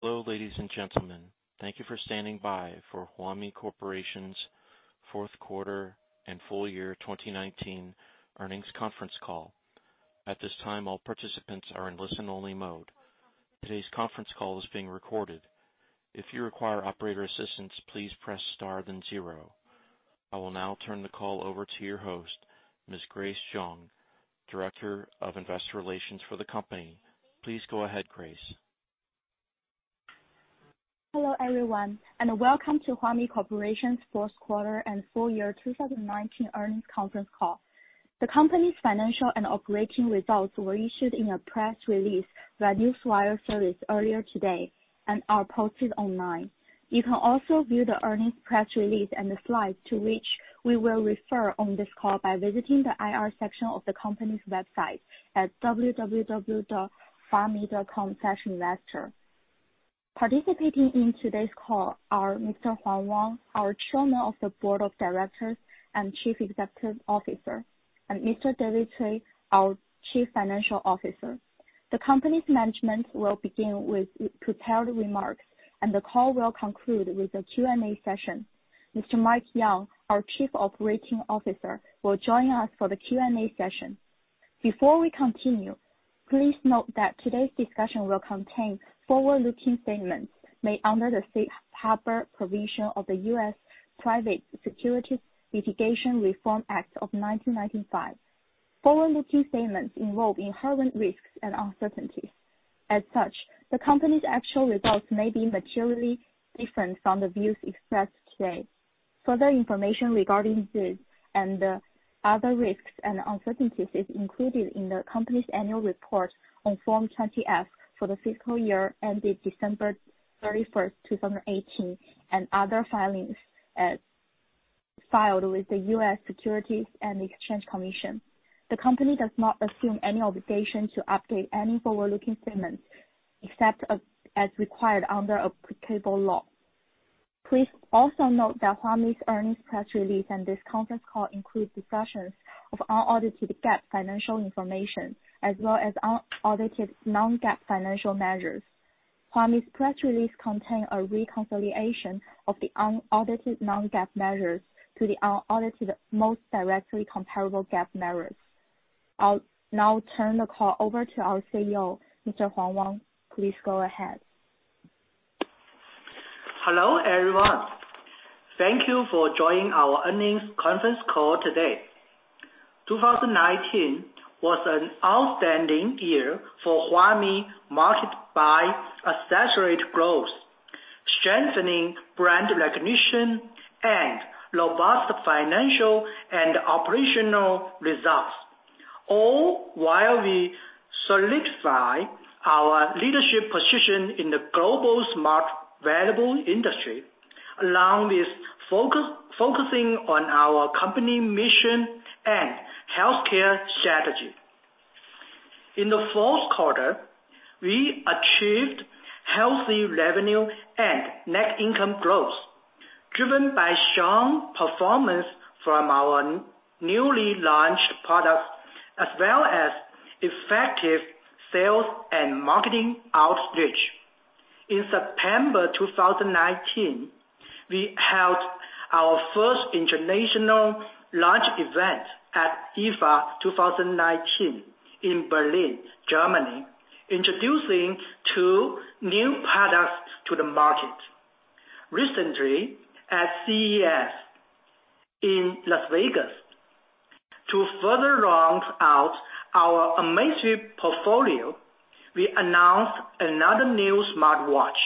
Hello, ladies and gentlemen. Thank you for standing by for Huami Corporation's fourth quarter and full year 2019 earnings conference call. At this time, all participants are in listen-only mode. Today's conference call is being recorded. If you require operator assistance, please press star, then zero. I will now turn the call over to your host, Ms. Grace Zhang, Director of Investor Relations for the company. Please go ahead, Grace. Hello, everyone, and welcome to Huami Corporation's fourth quarter and full year 2019 earnings conference call. The company's financial and operating results were issued in a press release by Newswire service earlier today and are posted online. You can also view the earnings press release and the slides to which we will refer on this call by visiting the IR section of the company's website at www.huami.com/investor. Participating in today's call are Mr. Huang Wang, our Chairman of the Board of Directors and Chief Executive Officer, and Mr. David Cui, our Chief Financial Officer. The company's management will begin with prepared remarks, and the call will conclude with a Q&A session. Mr. Mike Yang, our Chief Operating Officer, will join us for the Q&A session. Before we continue, please note that today's discussion will contain forward-looking statements made under the safe harbor provision of the U.S. Private Securities Litigation Reform Act of 1995. Forward-looking statements involve inherent risks and uncertainties. The company's actual results may be materially different from the views expressed today. Further information regarding these and other risks and uncertainties is included in the company's annual report on Form 20-F for the fiscal year ended December 31st, 2018, and other filings filed with the U.S. Securities and Exchange Commission. The company does not assume any obligation to update any forward-looking statements, except as required under applicable law. Please also note that Huami's earnings press release and this conference call include discussions of unaudited GAAP financial information as well as unaudited non-GAAP financial measures. Huami's press release contain a reconciliation of the unaudited non-GAAP measures to the unaudited most directly comparable GAAP measures. I'll now turn the call over to our CEO, Mr. Huang Wang. Please go ahead. Hello, everyone. Thank you for joining our earnings conference call today. 2019 was an outstanding year for Huami, marked by accelerated growth, strengthening brand recognition, and robust financial and operational results, all while we solidify our leadership position in the global smart wearable industry, along with focusing on our company mission and healthcare strategy. In the fourth quarter, we achieved healthy revenue and net income growth, driven by strong performance from our newly launched products, as well as effective sales and marketing outreach. In September 2019, we held our first international launch event at IFA 2019 in Berlin, Germany, introducing two new products to the market. Recently, at CES in Las Vegas, to further round out our Amazfit portfolio, we announced another new smartwatch,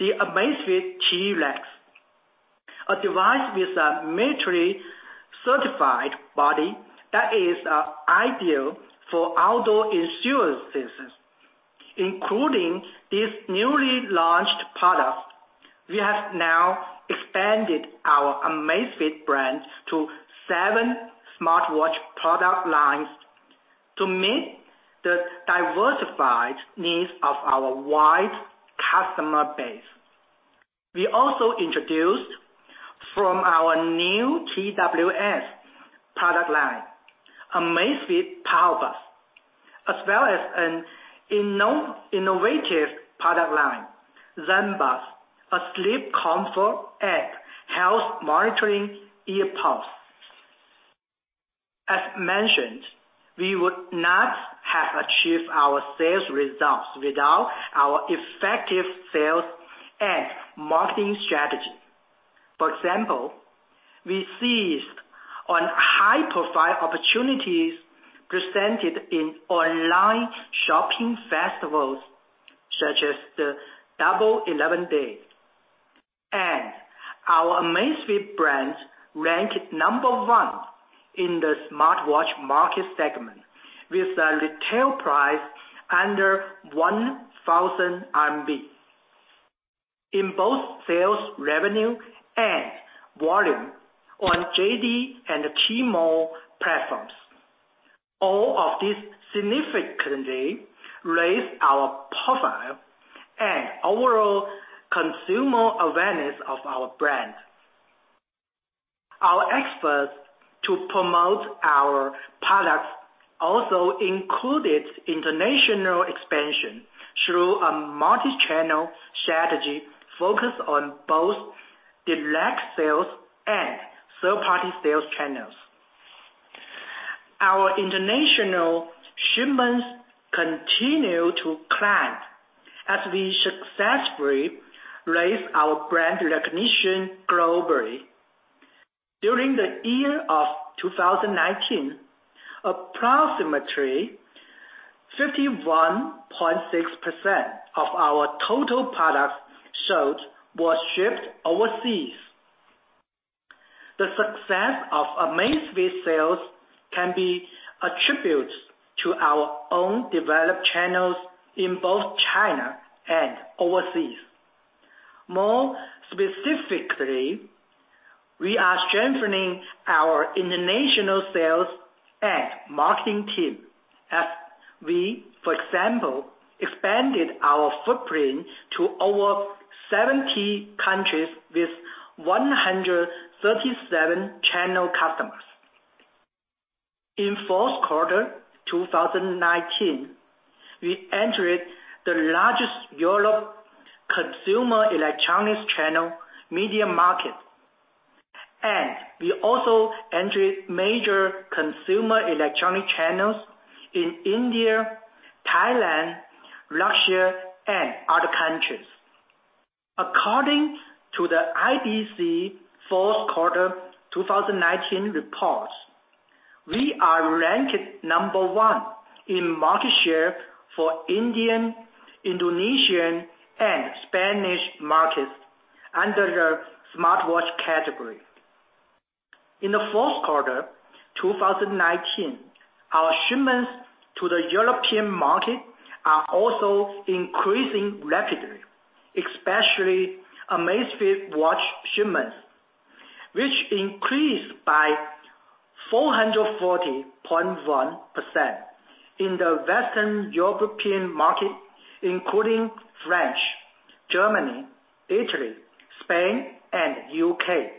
the Amazfit T-Rex, a device with a military-certified body that is ideal for outdoor enthusiasts. Including these newly launched products, we have now expanded our Amazfit brand to seven smartwatch product lines to meet the diversified needs of our wide customer base. We also introduced from our new TWS product line, Amazfit PowerBuds, as well as an innovative product line, ZenBuds, a sleep comfort and health monitoring ear pods. As mentioned, we would not have achieved our sales results without our effective sales and marketing strategy. For example, we seized on high-profile opportunities presented in online shopping festivals such as the Double 11 day, and our Amazfit brand ranked number one in the smartwatch market segment, with a retail price under 1,000 RMB, in both sales revenue and volume on JD and Tmall platforms. All of this significantly raised our profile and overall consumer awareness of our brand. Our efforts to promote our products also included international expansion through a multi-channel strategy focused on both direct sales and third-party sales channels. Our international shipments continue to climb as we successfully raise our brand recognition globally. During the year of 2019, approximately 51.6% of our total product sold was shipped overseas. The success of Amazfit sales can be attributed to our own developed channels in both China and overseas. More specifically, we are strengthening our international sales and marketing team as we, for example, expanded our footprint to over 70 countries with 137 channel customers. In fourth quarter 2019, we entered the largest Europe consumer electronics channel, MediaMarkt, and we also entered major consumer electronic channels in India, Thailand, Russia, and other countries. According to the IDC fourth quarter 2019 reports, we are ranked number one in market share for Indian, Indonesian, and Spanish markets under the smartwatch category. In the fourth quarter 2019, our shipments to the European market are also increasing rapidly, especially Amazfit watch shipments, which increased by 440.1% in the Western European market, including France, Germany, Italy, Spain, and U.K.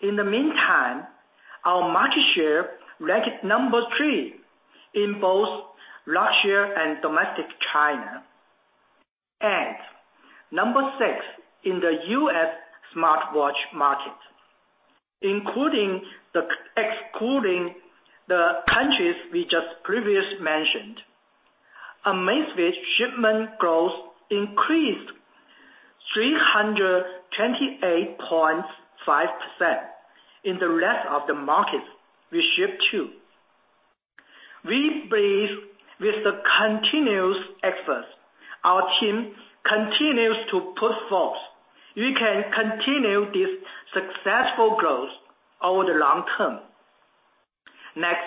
In the meantime, our market share ranked number three in both Russia and domestic China, and number six in the U.S. smartwatch market. Excluding the countries we just previously mentioned, Amazfit shipment growth increased 328.5% in the rest of the markets we ship to. We believe with the continuous efforts our team continues to put forth, we can continue this successful growth over the long term. Next,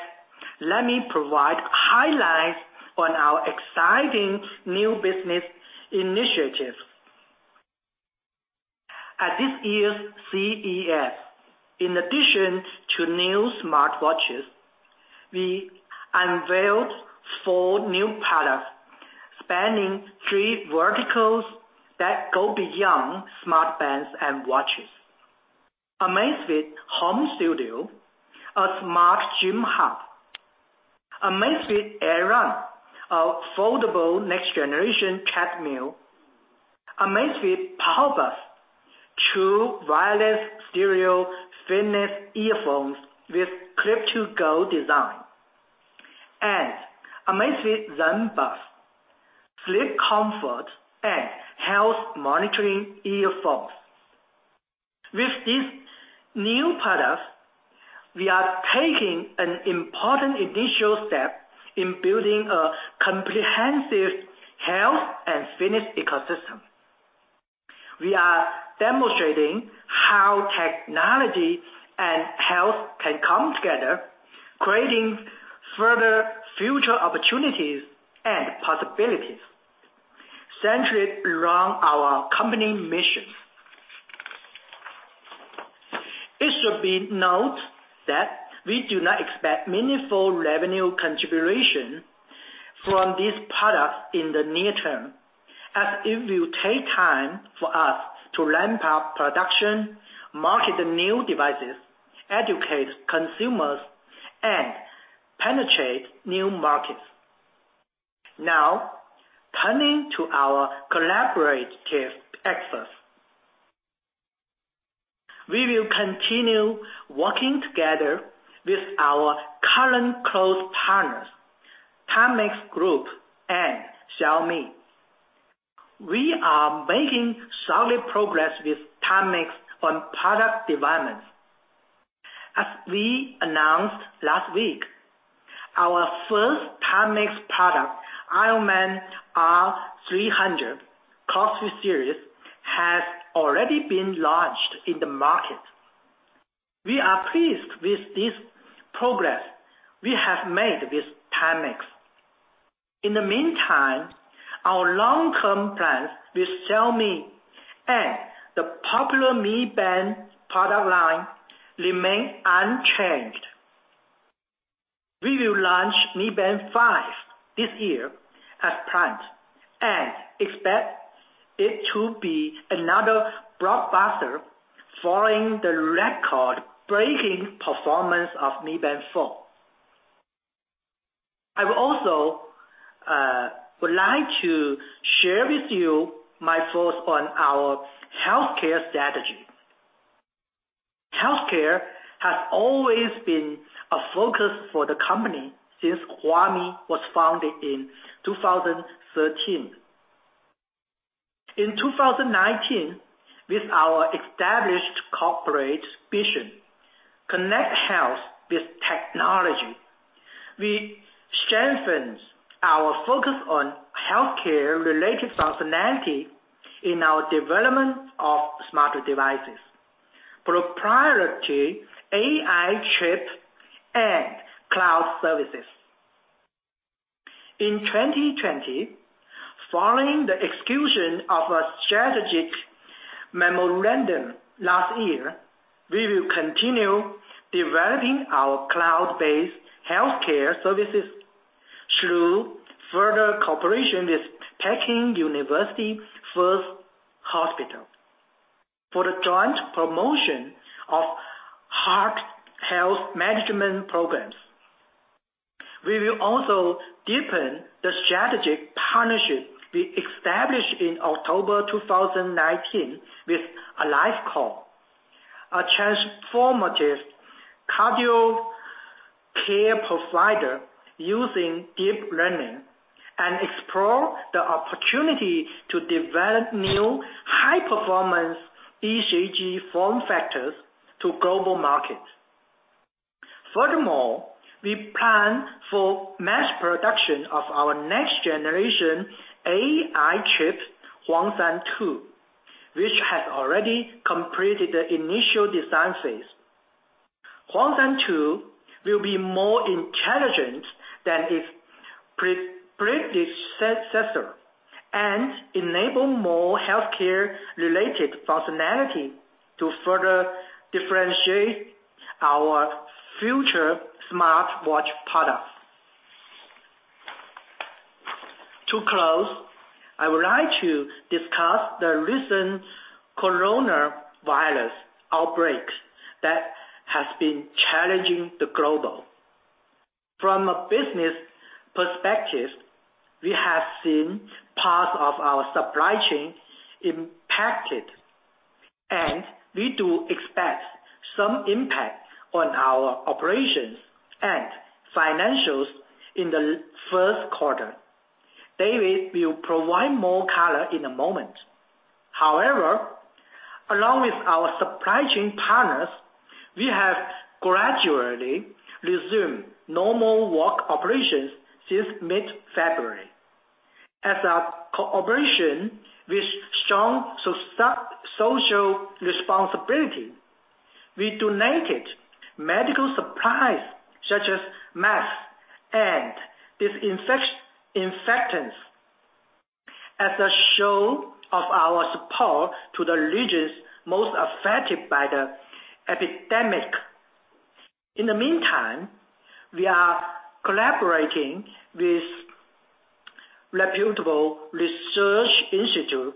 let me provide highlights on our exciting new business initiatives. At this year's CES, in addition to new smartwatches, we unveiled four new products spanning three verticals that go beyond smart bands and watches. Amazfit HomeStudio, a smart gym hub, Amazfit AirRun, a foldable next-generation treadmill, Amazfit PowerBuds, true wireless stereo fitness earphones with clip-to-go design, and Amazfit ZenBuds, sleep comfort and health monitoring earphones. With these new products, we are taking an important initial step in building a comprehensive health and fitness ecosystem. We are demonstrating how technology and health can come together, creating further future opportunities and possibilities centered around our company mission. It should be noted that we do not expect meaningful revenue contribution from these products in the near term, as it will take time for us to ramp up production, market the new devices, educate consumers, and penetrate new markets. Now, turning to our collaborative efforts. We will continue working together with our current close partners, Timex Group and Xiaomi. We are making solid progress with Timex on product development. As we announced last week, our first Timex product, Ironman R300 Coventry Series, has already been launched in the market. We are pleased with this progress we have made with Timex. In the meantime, our long-term plans with Xiaomi and the popular Mi Band product line remain unchanged. We will launch Mi Band 5 this year as planned, and expect it to be another blockbuster following the record-breaking performance of Mi Band 4. I would also like to share with you my thoughts on our healthcare strategy. Healthcare has always been a focus for the company since Huami was founded in 2013. In 2019, with our established corporate vision, Connect Health with Technology, we strengthened our focus on healthcare-related functionality in our development of smarter devices, proprietary AI chips, and cloud services. In 2020, following the execution of a strategic memorandum last year, we will continue developing our cloud-based healthcare services through further cooperation with Peking University First Hospital for the joint promotion of heart health management programs. We will also deepen the strategic partnership we established in October 2019 with AliveCor, a transformative cardio care provider using deep learning, and explore the opportunity to develop new high-performance ECG form factors to global market. Furthermore, we plan for mass production of our next generation AI chip, Huangshan 2, which has already completed the initial design phase. Huangshan 2 will be more intelligent than its predecessor, and enable more healthcare-related functionality to further differentiate our future smartwatch products. To close, I would like to discuss the recent coronavirus outbreak that has been challenging the globe. From a business perspective, we have seen parts of our supply chain impacted, we do expect some impact on our operations and financials in the first quarter. David will provide more color in a moment. However, along with our supply chain partners, we have gradually resumed normal work operations since mid-February. As a corporation with strong social responsibility, we donated medical supplies such as masks and disinfectants as a show of our support to the regions most affected by the epidemic. In the meantime, we are collaborating with reputable research institutes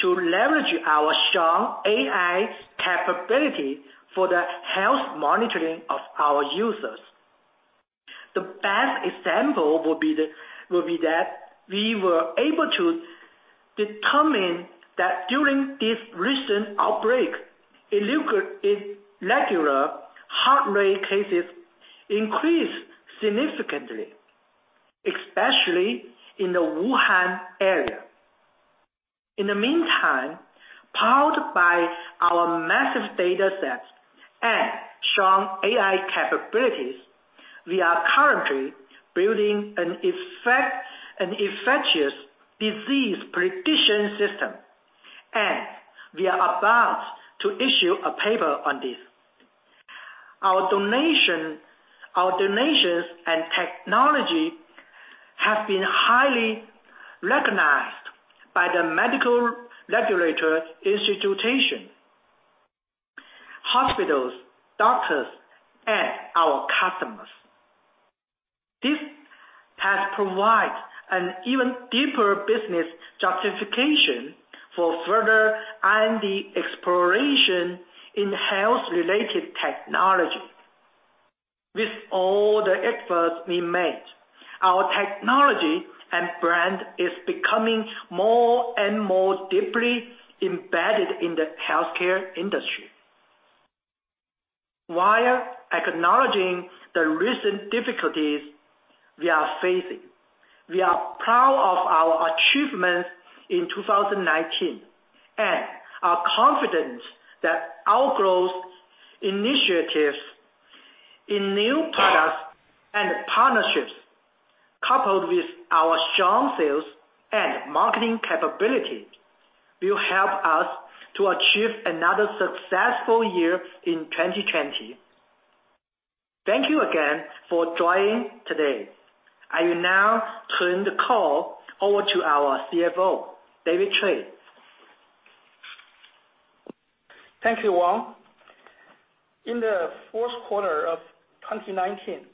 to leverage our strong AI capability for the health monitoring of our users. The best example will be that we were able to determine that during this recent outbreak, irregular heart rate cases increased significantly, especially in the Wuhan area. In the meantime, powered by our massive data sets and strong AI capabilities, we are currently building an infectious disease prediction system, and we are about to issue a paper on this. Our donations and technology have been highly recognized by the medical regulatory institutions, hospitals, doctors, and our customers. This has provided an even deeper business justification for further R&D exploration in health-related technology. With all the efforts we made, our technology and brand is becoming more and more deeply embedded in the healthcare industry. While acknowledging the recent difficulties we are facing, we are proud of our achievements in 2019, and are confident that our growth initiatives in new products and partnerships, coupled with our strong sales and marketing capability, will help us to achieve another successful year in 2020. Thank you again for joining today. I will now turn the call over to our CFO, David Cui. Thank you, Wang. In the fourth quarter of 2019,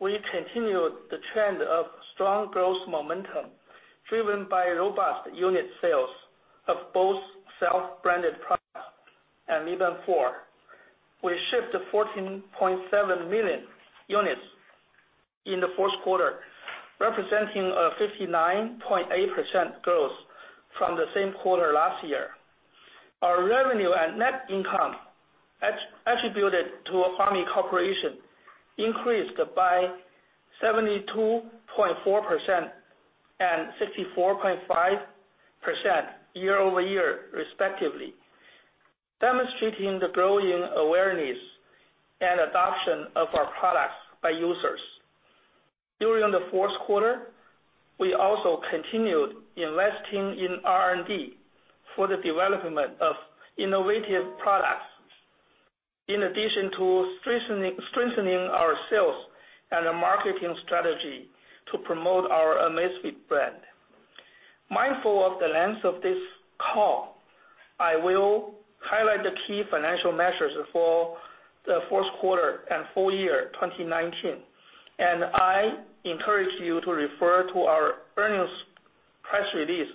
we continued the trend of strong growth momentum driven by robust unit sales of both self-branded products and Mi Band 4. We shipped 14.7 million units in the fourth quarter, representing a 59.8% growth from the same quarter last year. Our revenue and net income attributed to a Huami Corporation increased by 72.4% and 54.5% year-over-year respectively, demonstrating the growing awareness and adoption of our products by users. During the fourth quarter, we also continued investing in R&D for the development of innovative products, in addition to strengthening our sales and the marketing strategy to promote our Amazfit brand. Mindful of the length of this call, I will highlight the key financial measures for the fourth quarter and full year 2019, and I encourage you to refer to our earnings press release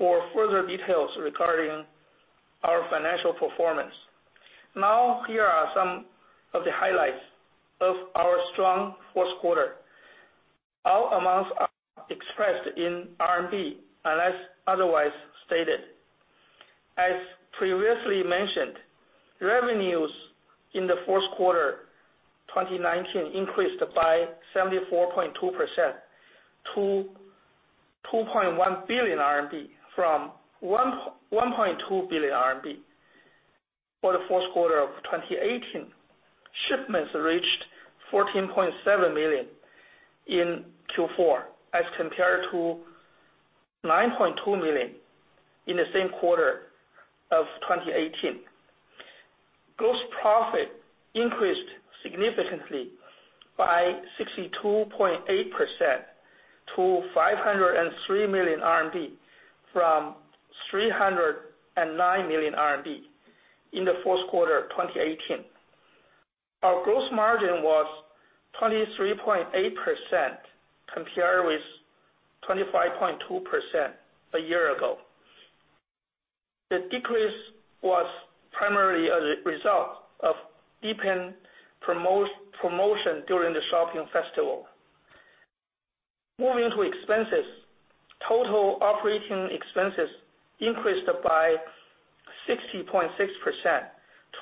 for further details regarding our financial performance. Here are some of the highlights of our strong fourth quarter. All amounts are expressed in RMB, unless otherwise stated. As previously mentioned, revenues in the fourth quarter 2019 increased by 74.2% to 2.1 billion RMB from 1.2 billion RMB for the fourth quarter of 2018. Shipments reached 14.7 million in Q4 as compared to 9.2 million in the same quarter of 2018. Gross profit increased significantly by 62.8% to 503 million RMB from 309 million RMB in the fourth quarter of 2018. Our gross margin was 23.8% compared with 25.2% a year ago. The decrease was primarily as a result of deepened promotion during the shopping festival. Moving to expenses. Total operating expenses increased by 60.6%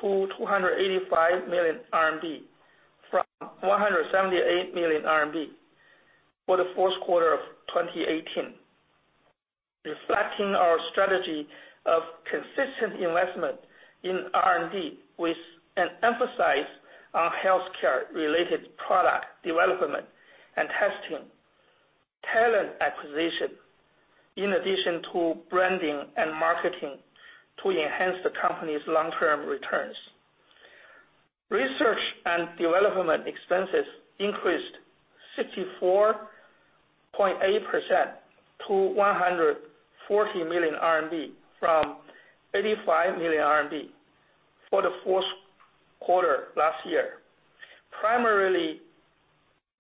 to 285 million RMB from 178 million RMB for the fourth quarter of 2018, reflecting our strategy of consistent investment in R&D with an emphasis on healthcare-related product development and testing, talent acquisition, in addition to branding and marketing to enhance the company's long-term returns. Research and development expenses increased 64.8% to 140 million RMB from 85 million RMB for the fourth quarter last year, primarily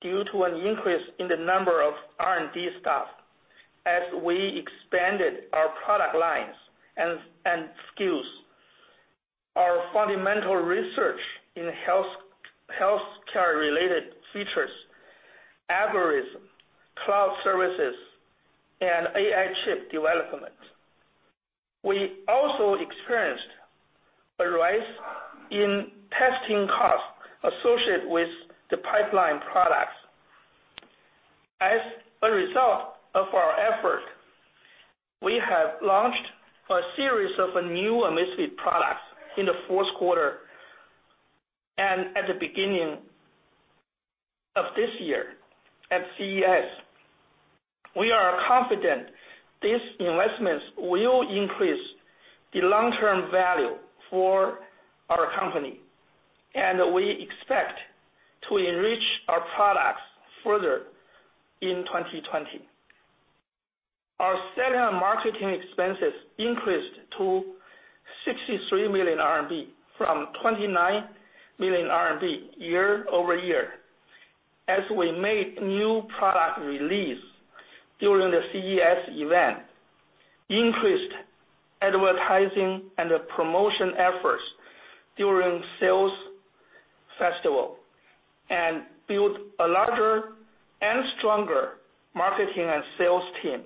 due to an increase in the number of R&D staff as we expanded our product lines and skills, our fundamental research in healthcare-related features, algorithm, cloud services, and AI chip development. We also experienced a rise in testing costs associated with the pipeline products. As a result of our effort, we have launched a series of new Amazfit products in the fourth quarter and at the beginning of this year at CES. We are confident these investments will increase the long-term value for our company, and we expect to enrich our products further in 2020. Our selling and marketing expenses increased to 63 million RMB from 29 million RMB year-over-year, as we made new product release during the CES event, increased advertising and the promotion efforts during sales festival, and built a larger and stronger marketing and sales team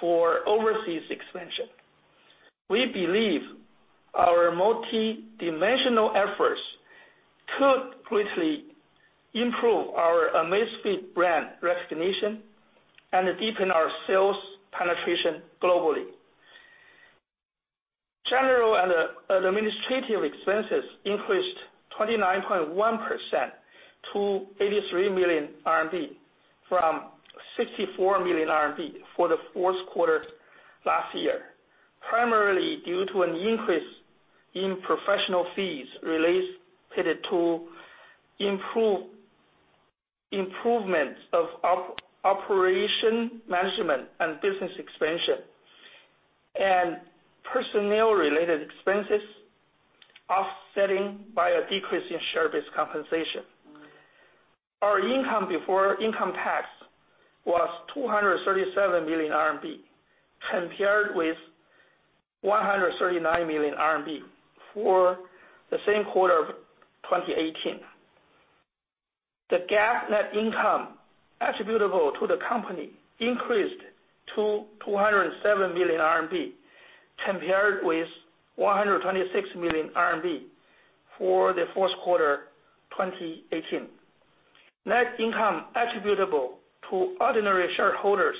for overseas expansion. We believe our multidimensional efforts could greatly improve our Amazfit brand recognition and deepen our sales penetration globally. General and administrative expenses increased 29.1% to 83 million RMB from 64 million RMB for the fourth quarter last year, primarily due to an increase in professional fees related to improvements of operation management and business expansion, and personnel-related expenses offsetting by a decrease in share-based compensation. Our income before income tax was 237 million RMB, compared with 139 million RMB for the same quarter of 2018. The GAAP net income attributable to the company increased to 207 million RMB, compared with 126 million RMB for the first quarter 2018. Net income attributable to ordinary shareholders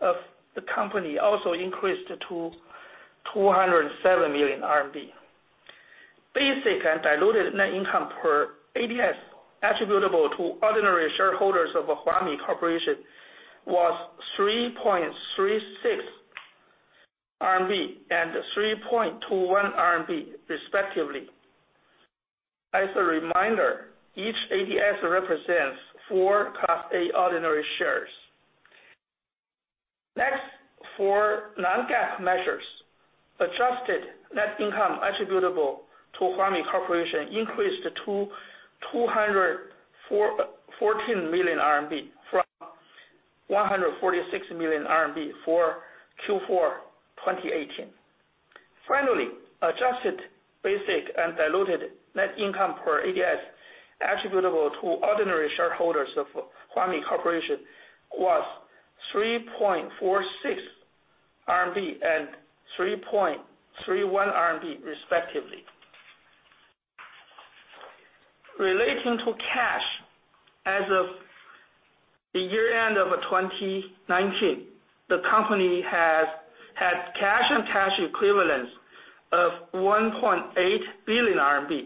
of the company also increased to 207 million RMB. Basic and diluted net income per ADS attributable to ordinary shareholders of Huami Corporation was 3.36 RMB and 3.21 RMB respectively. As a reminder, each ADS represents four Class A ordinary shares. For non-GAAP measures, adjusted net income attributable to Huami Corporation increased to 214 million RMB from 146 million for Q4 2018. Adjusted basic and diluted net income per ADS attributable to ordinary shareholders of Huami Corporation was 3.46 RMB and 3.31 RMB respectively. Relating to cash, as of the year-end of 2019, the company has cash and cash equivalents of 1.8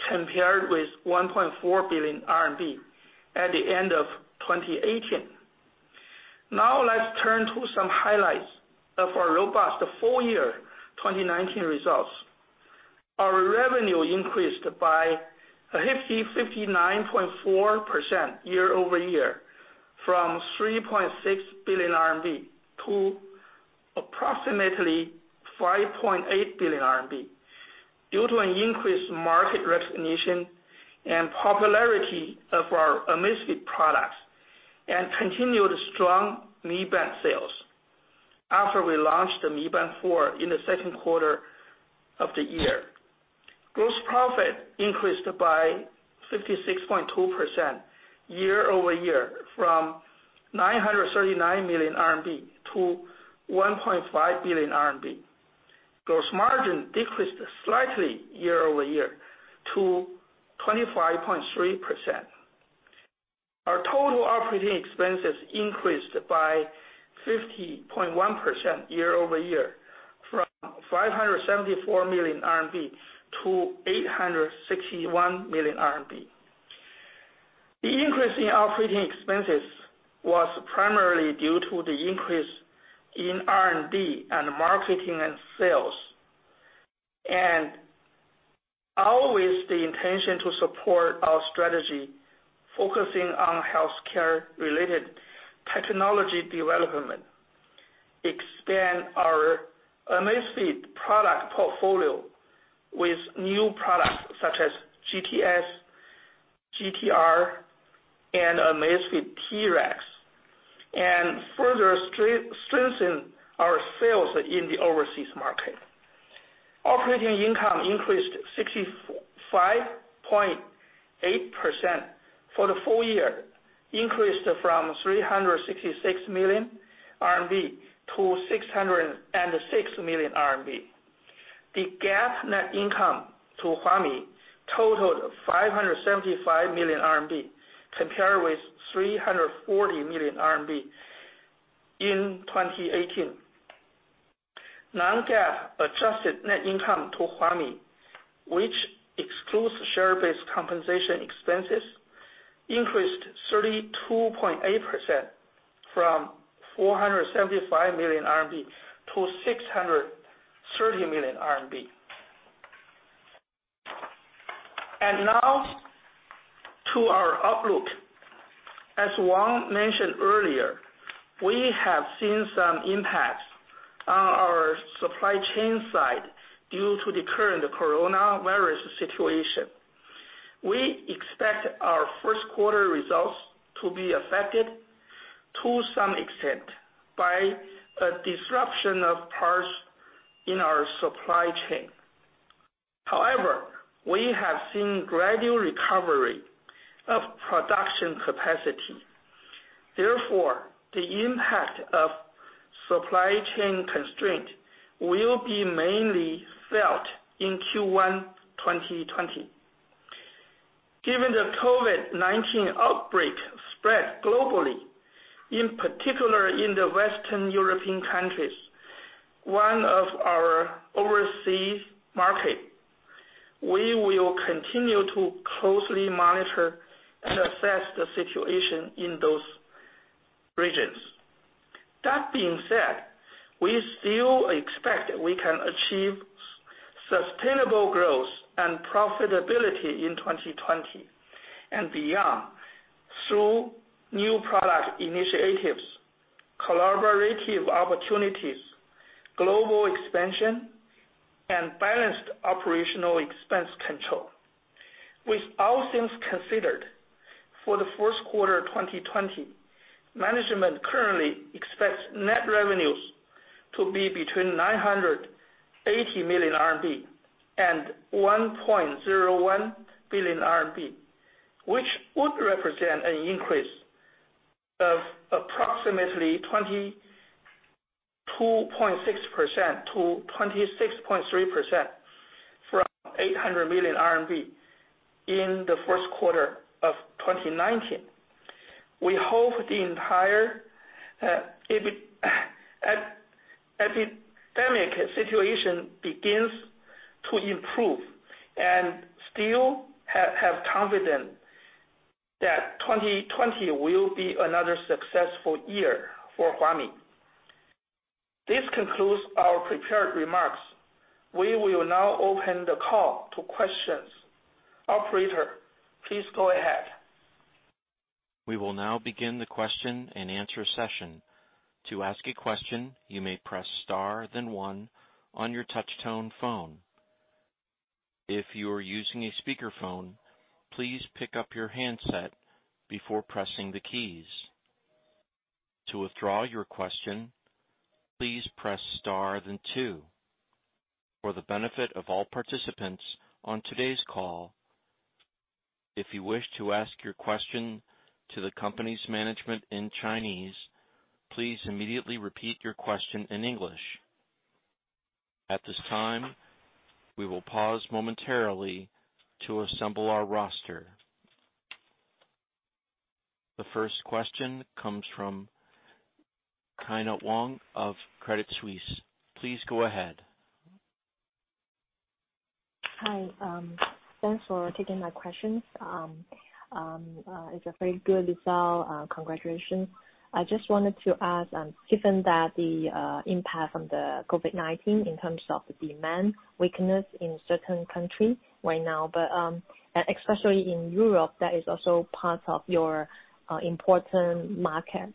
billion RMB, compared with 1.4 billion RMB at the end of 2018. Let's turn to some highlights of our robust full year 2019 results. Our revenue increased by a hefty 59.4% year-over-year from 3.6 billion RMB to approximately 5.8 billion RMB due to an increased market recognition and popularity of our Amazfit products and continued strong Mi Band sales after we launched the Mi Band 4 in the second quarter of the year. Gross profit increased by 56.2% year-over-year from 939 million RMB to 1.5 billion RMB. Gross margin decreased slightly year-over-year to 25.3%. Our total operating expenses increased by 50.1% year-over-year from 574 million RMB to 861 million RMB. The increase in operating expenses was primarily due to the increase in R&D and marketing and sales. Always the intention to support our strategy focusing on healthcare-related technology development, expand our Amazfit product portfolio with new products such as GTS, GTR, and Amazfit T-Rex, and further strengthen our sales in the overseas market. Operating income increased 65.8% for the full year, increased from 366 million RMB to 606 million RMB. The GAAP net income to Huami totaled 575 million RMB, compared with 340 million RMB in 2018. Non-GAAP adjusted net income to Huami, which excludes share-based compensation expenses, increased 32.8% from 475 million RMB to 630 million RMB. Now to our outlook. As Wang mentioned earlier, we have seen some impacts on our supply chain side due to the current coronavirus situation. We expect our first quarter results to be affected to some extent by a disruption of parts in our supply chain. However, we have seen gradual recovery of production capacity. Therefore, the impact of supply chain constraint will be mainly felt in Q1 2020. Given the COVID-19 outbreak spread globally, in particular in the Western European countries, one of our overseas market, we will continue to closely monitor and assess the situation in those regions. We can achieve sustainable growth and profitability in 2020 and beyond through new product initiatives, collaborative opportunities, global expansion, and balanced operational expense control. With all things considered, for the first quarter of 2020, management currently expects net revenues to be between 980 million RMB and 1.01 billion RMB, which would represent an increase of approximately 22.6% to 26.3% from 800 million RMB in the first quarter of 2019. We hope the entire epidemic situation begins to improve and still have confidence that 2020 will be another successful year for Huami. This concludes our prepared remarks. We will now open the call to questions. Operator, please go ahead. We will now begin the question and answer session. To ask a question, you may press star then one on your touch tone phone. If you are using a speakerphone, please pick up your handset before pressing the keys. To withdraw your question, please press star then two. For the benefit of all participants on today's call, if you wish to ask your question to the company's management in Chinese, please immediately repeat your question in English. At this time, we will pause momentarily to assemble our roster. The first question comes from Kyna Wong of Credit Suisse. Please go ahead. Hi. Thanks for taking my questions. It's a very good result. Congratulations. I just wanted to ask, given that the impact from the COVID-19 in terms of demand weakness in certain countries right now. Especially in Europe, that is also part of your important market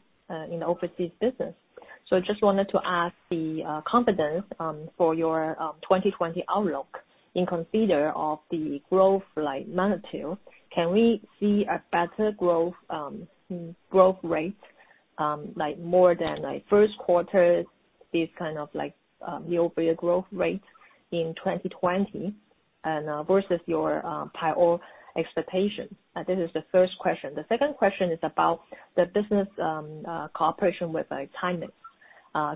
in overseas business. Just wanted to ask the confidence for your 2020 outlook in consider of the growth magnitude. Can we see a better growth rate? More than first quarter is kind of like year-over-year growth rate in 2020 and versus your prior expectations? This is the first question. The second question is about the business cooperation with Timex.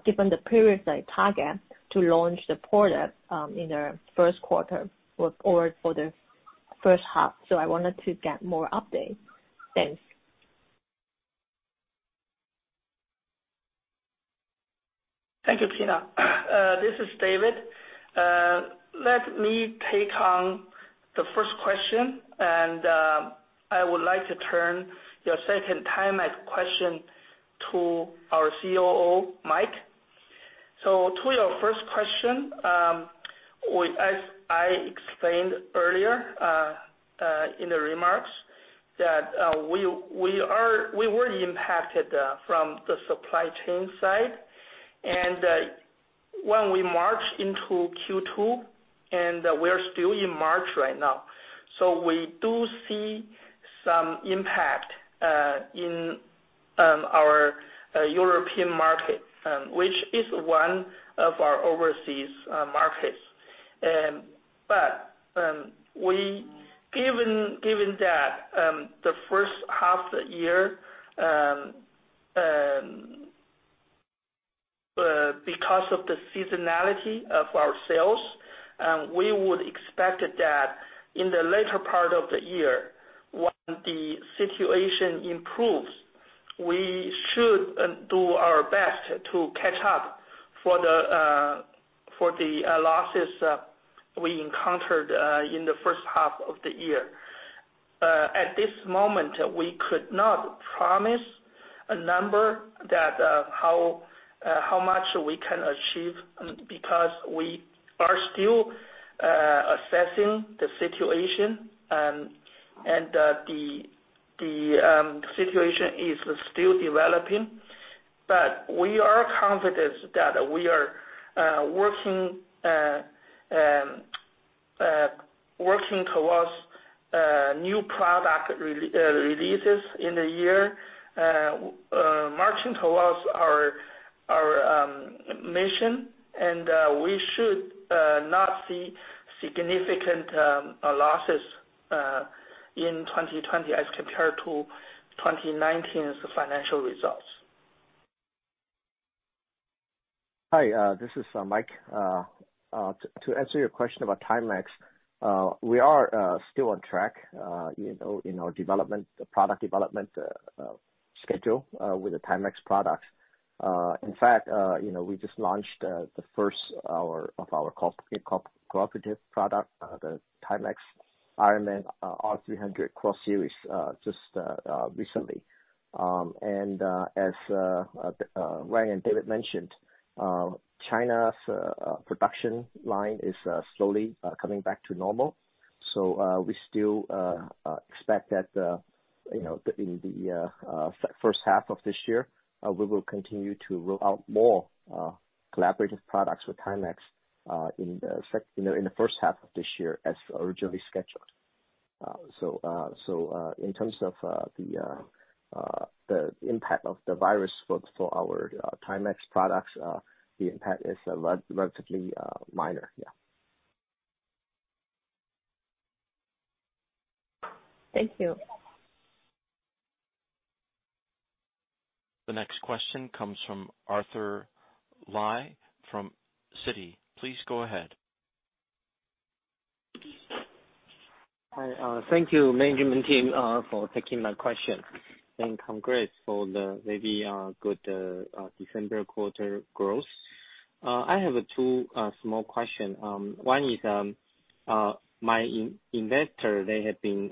Given the period they target to launch the product in their first quarter or for the first half, I wanted to get more updates. Thanks. Thank you, Kyna. This is David. Let me take on the first question, I would like to turn your second Timex question to our COO, Mike. To your first question, as I explained earlier in the remarks, that we were impacted from the supply chain side. When we march into Q2, we are still in March right now. Given that the first half year, because of the seasonality of our sales, we would expect that in the later part of the year, when the situation improves, we should do our best to catch up for the losses we encountered in the first half of the year. At this moment, we could not promise a number that how much we can achieve because we are still assessing the situation. The situation is still developing. We are confident that we are working towards new product releases in the year, marching towards our mission. We should not see significant losses in 2020 as compared to 2019’s financial results. Hi. This is Mike. To answer your question about Timex, we are still on track in our product development schedule with the Timex products. In fact, we just launched the first of our cooperative product, the Timex Ironman R300 cross series just recently. As Wang and David mentioned, China's production line is slowly coming back to normal. We still expect that in the first half of this year, we will continue to roll out more collaborative products with Timex in the first half of this year as originally scheduled. In terms of the impact of the virus for our Timex products, the impact is relatively minor. Yeah. Thank you. The next question comes from Arthur Lai from Citi. Please go ahead. Hi. Thank you, management team, for taking my question. Congrats for the very good December quarter growth. I have two small questions. My investor, they have been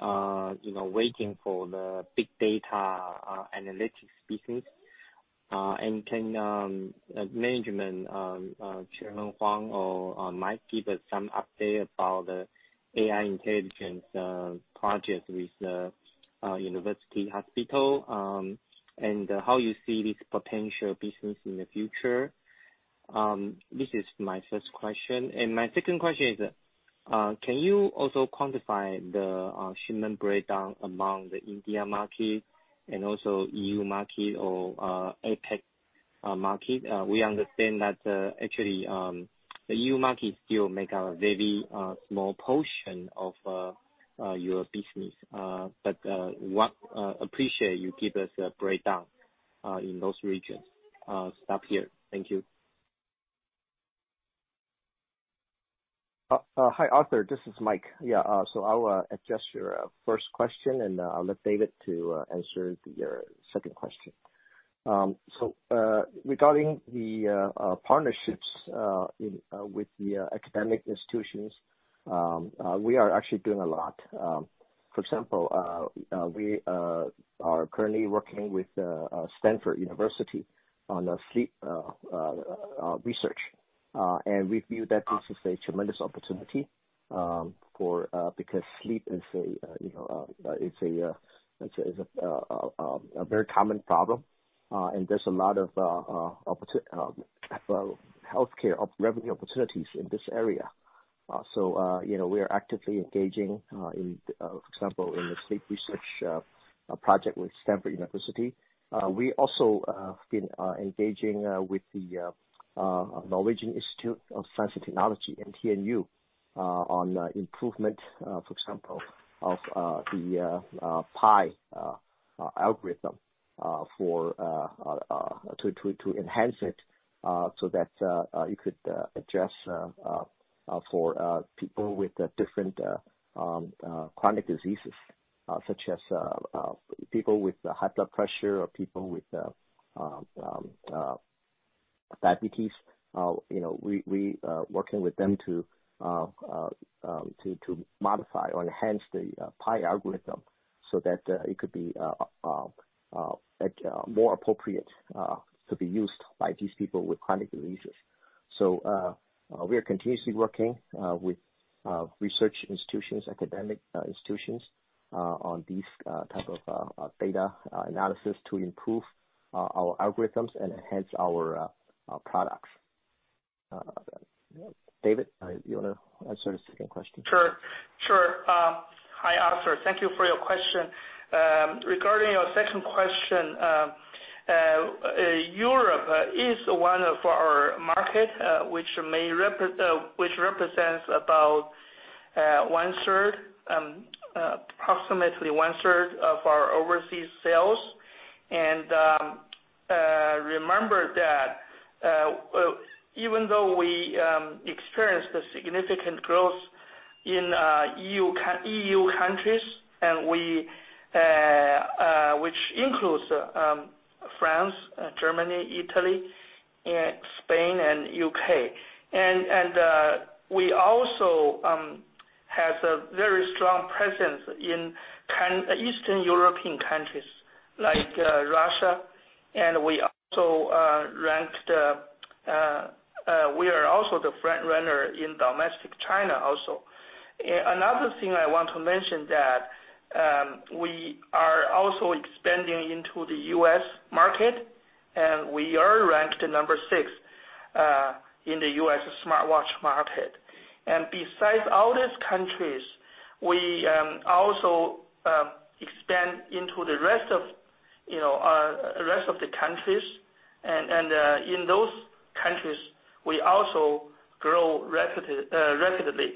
waiting for the big data analytics business. Can management, Chairman Huang or Mike, give us some update about the AI intelligence project with university hospital, and how you see this potential business in the future? This is my first question. My second question is, can you also quantify the shipment breakdown among the India market and also EU market or APAC market? We understand that actually, the EU market still makes a very small portion of your business. Appreciate you give us a breakdown in those regions. Stop here. Thank you. Hi, Arthur. This is Mike. I'll address your first question, and I'll let David to answer your second question. Regarding the partnerships with the academic institutions, we are actually doing a lot. For example, we are currently working with Stanford University on sleep research. We view that this is a tremendous opportunity because sleep is a very common problem. There's a lot of healthcare revenue opportunities in this area. We are actively engaging, for example, in the sleep research project with Stanford University. We also have been engaging with the Norwegian University of Science and Technology, NTNU, on improvement, for example, of the PAI algorithm to enhance it, so that you could adjust for people with different chronic diseases such as people with high blood pressure or people with diabetes. We are working with them to modify or enhance the PAI algorithm so that it could be more appropriate to be used by these people with chronic diseases. We are continuously working with research institutions, academic institutions, on these type of data analysis to improve our algorithms and enhance our products. David, do you want to answer the second question? Sure. Hi, Arthur. Thank you for your question. Regarding your second question, Europe is one of our markets, which represents approximately one-third of our overseas sales. Remember that even though we experienced significant growth in E.U. countries, which includes France, Germany, Italy, Spain, and U.K. We also have a very strong presence in Eastern European countries like Russia. We are also the front-runner in domestic China also. Another thing I want to mention that we are also expanding into the U.S. market, and we are ranked number six in the U.S. smartwatch market. Besides all these countries, we also expand into the rest of the countries. In those countries, we also grow rapidly.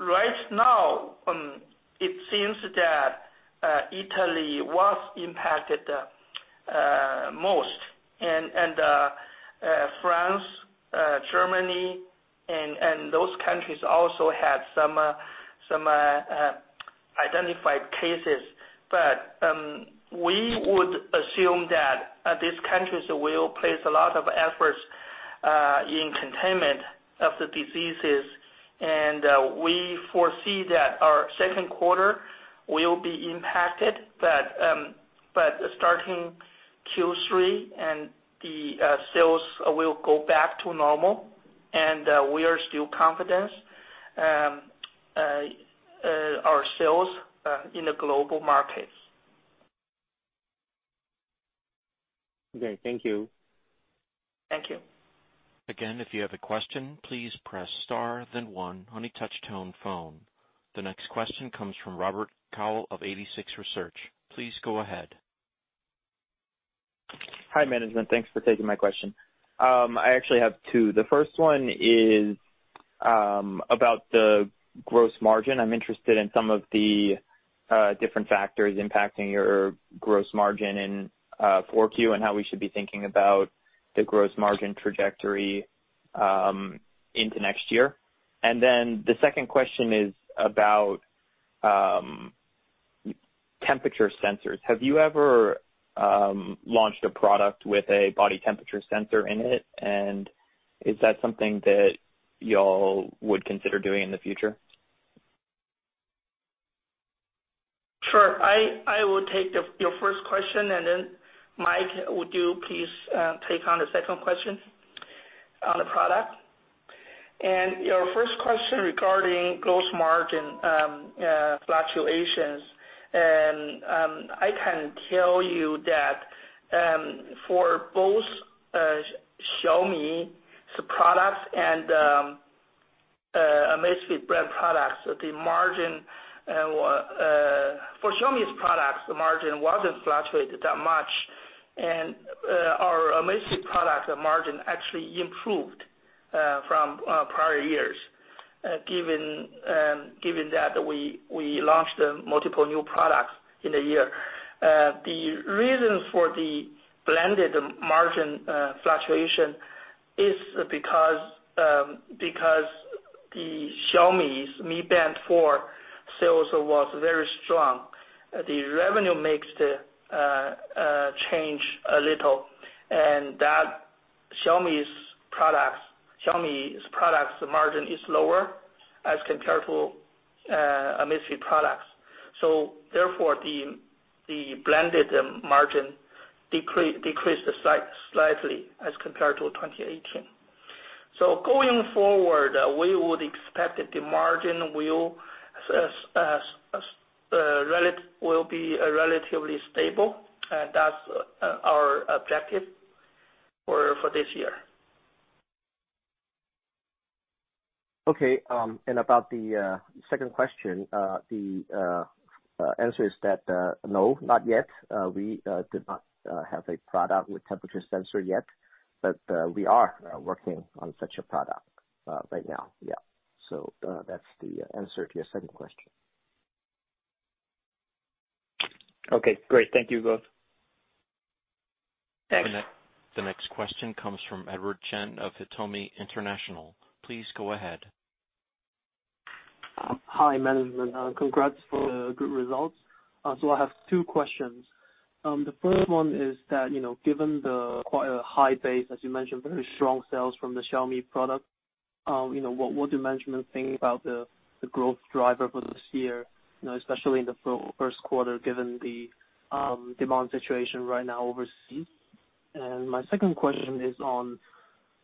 Right now, it seems that Italy was impacted the most. France, Germany, and those countries also had some identified cases. We would assume that these countries will place a lot of efforts in containment of the diseases, and we foresee that our second quarter will be impacted, but starting Q3, and the sales will go back to normal, and we are still confident our sales in the global markets. Okay, thank you. Thank you. Again, if you have a question, please press star then one on a touch-tone phone. The next question comes from Robert Cowell of 86Research. Please go ahead. Hi, management. Thanks for taking my question. I actually have two. The first one is about the gross margin. I'm interested in some of the different factors impacting your gross margin in 4Q and how we should be thinking about the gross margin trajectory into next year. The second question is about temperature sensors. Have you ever launched a product with a body temperature sensor in it? Is that something that y'all would consider doing in the future? Sure. I will take your first question, Mike, would you please take on the second question on the product? Your first question regarding gross margin fluctuations, I can tell you that for both Xiaomi's products and Amazfit brand products, for Xiaomi's products, the margin wasn't fluctuated that much, and our Amazfit product margin actually improved from prior years, given that we launched multiple new products in the year. The reasons for the blended margin fluctuation is because the Xiaomi's Mi Band 4 sales was very strong. The revenue makes the change a little, Xiaomi's product's margin is lower as compared to Amazfit products. Therefore, the blended margin decreased slightly as compared to 2018. Going forward, we would expect that the margin will be relatively stable. That's our objective for this year. Okay. About the second question, the answer is that no, not yet. We did not have a product with temperature sensor yet. We are working on such a product right now. Yeah. That's the answer to your second question. Okay, great. Thank you both. Thanks. The next question comes from Edward Chen of Hitomi International. Please go ahead. Hi, management. Congrats for the good results. I have two questions. The first one is that, given the quite a high base, as you mentioned, very strong sales from the Xiaomi product, what do management think about the growth driver for this year, especially in the first quarter, given the demand situation right now overseas? My second question is on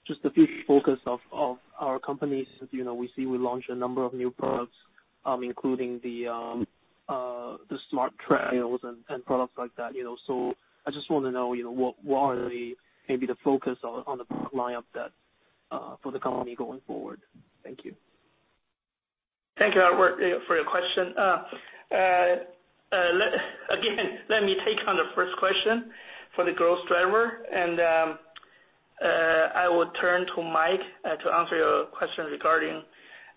just the future focus of our company. Since we see we launched a number of new products, including the smart treadmills and products like that. I just want to know what are maybe the focus on the product lineup for the company going forward. Thank you. Thank you, Edward, for your question. Again, let me take on the first question for the growth driver, and I would turn to Mike to answer your question regarding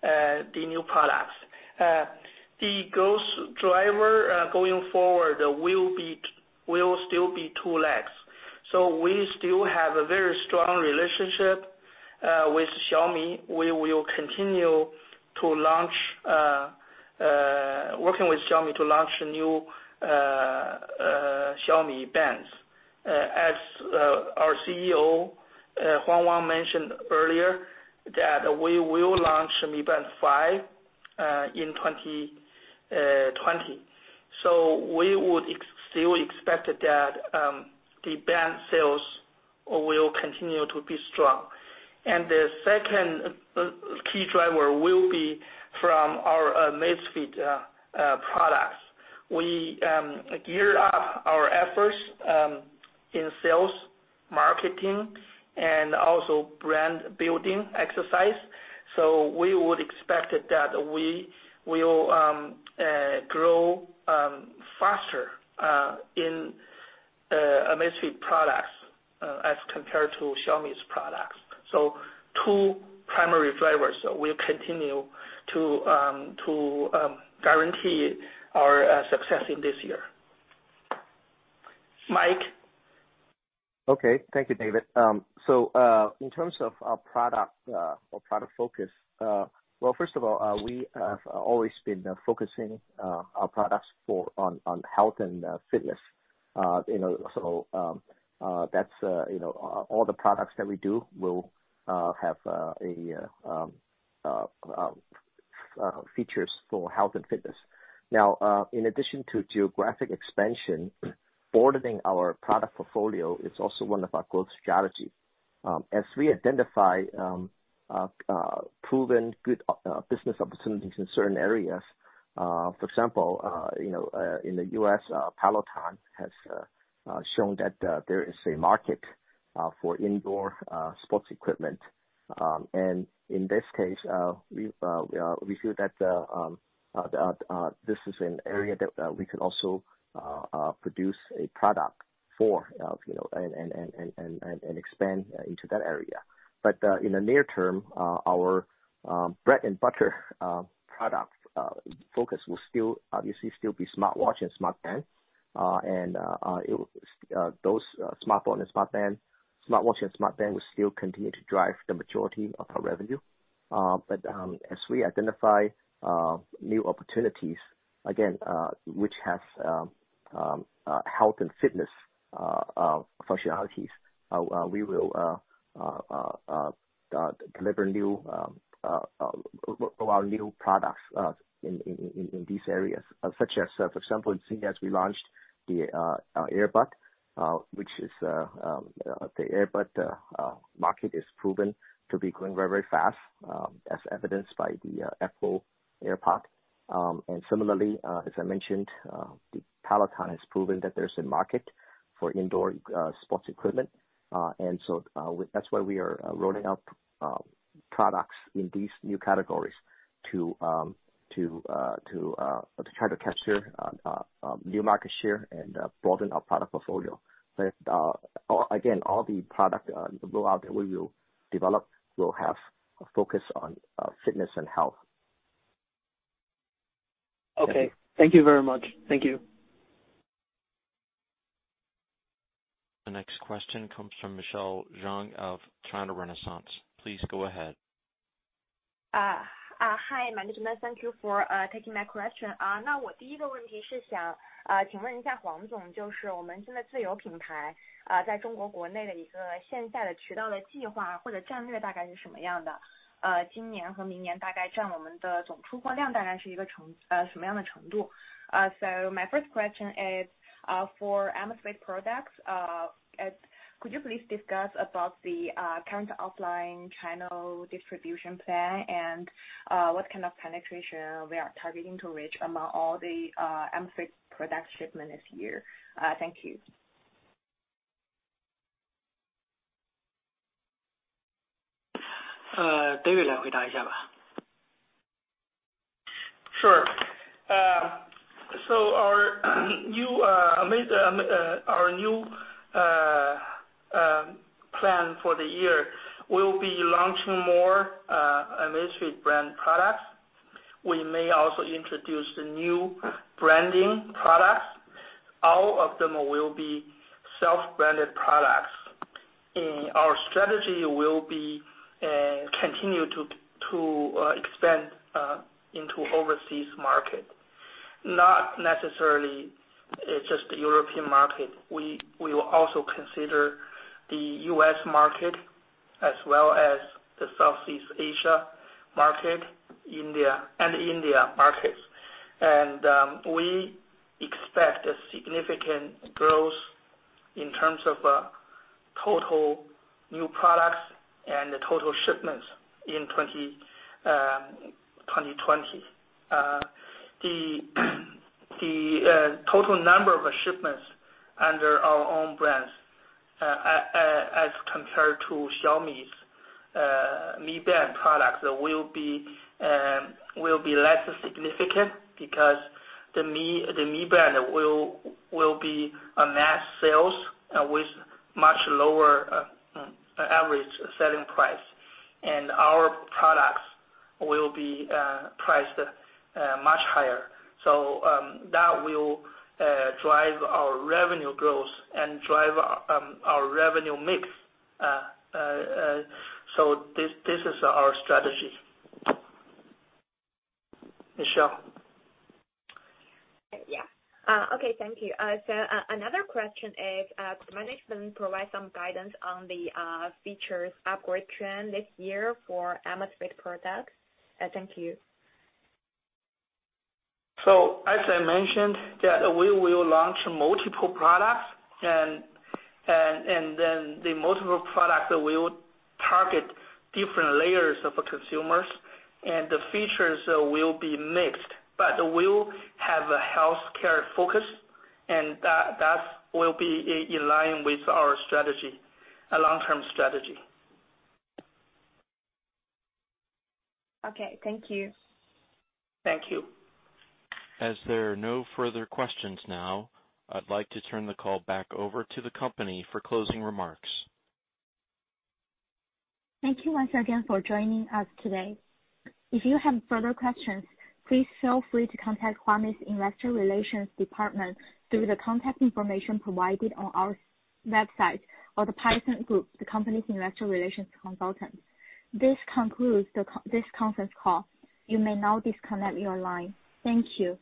the new products. The growth driver going forward will still be two legs. We still have a very strong relationship with Xiaomi. We will continue working with Xiaomi to launch new Xiaomi bands. As our CEO Huang Wang mentioned earlier, that we will launch Mi Band 5 in 2020. We would still expect that the band sales will continue to be strong. The second key driver will be from our Amazfit products. We gear up our efforts in sales, marketing, and also brand building exercise. We would expect that we will grow faster in Amazfit products as compared to Xiaomi's products. Two primary drivers will continue to guarantee our success in this year. Mike? Okay. Thank you, David. In terms of our product focus, well, first of all, we have always been focusing our products on health and fitness. All the products that we do will have features for health and fitness. Now, in addition to geographic expansion, broadening our product portfolio is also one of our growth strategies. As we identify proven good business opportunities in certain areas, for example, in the U.S., Peloton has shown that there is a market for indoor sports equipment. In this case, we feel that this is an area that we can also produce a product for and expand into that area. In the near term, our bread and butter product focus will obviously still be smartwatch and smart band. Those smartwatch and smart band will still continue to drive the majority of our revenue. As we identify new opportunities, again, which have health and fitness functionalities, we will deliver our new products in these areas. For example, in CES, we launched the earbud. The earbud market is proven to be growing very fast, as evidenced by the Apple AirPods. Similarly, as I mentioned, Peloton has proven that there's a market for indoor sports equipment. That's why we are rolling out products in these new categories to try to capture new market share and broaden our product portfolio. Again, all the products that we will develop will have a focus on fitness and health. Okay. Thank you very much. Thank you. The next question comes from Michelle Zhang of China Renaissance. Please go ahead. Hi, management. Thank you for taking my question. My first question is for Amazfit products. Could you please discuss about the current offline channel distribution plan and what kind of penetration we are targeting to reach among all the Amazfit product shipment this year? Thank you. Sure. Our new plan for the year, we'll be launching more Amazfit brand products. We may also introduce the new branding products. All of them will be self-branded products. Our strategy will be continue to expand into overseas market. Not necessarily just the European market. We will also consider the U.S. market as well as the Southeast Asia market and India markets. We expect a significant growth in terms of total new products and the total shipments in 2020. The total number of shipments under our own brands, as compared to Xiaomi's Mi Band products, will be less significant because the Mi Band will be a mass sale with much lower average selling price. Our products will be priced much higher. That will drive our revenue growth and drive our revenue mix. This is our strategy. Michelle. Yeah. Okay. Thank you. Another question is, could management provide some guidance on the features upgrade trend this year for Amazfit products? Thank you. As I mentioned, that we will launch multiple products, the multiple products will target different layers of consumers, the features will be mixed, but will have a healthcare focus, that will be in line with our long-term strategy. Okay. Thank you. Thank you. As there are no further questions now, I'd like to turn the call back over to the company for closing remarks. Thank you once again for joining us today. If you have further questions, please feel free to contact Huami's investor relations department through the contact information provided on our website or The Piacente Group, the company's investor relations consultant. This concludes this conference call. You may now disconnect your line. Thank you.